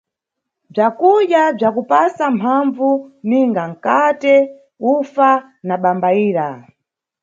Bzakudya bza kupasa mphambvu, ninga nkate, ufa na bambayira.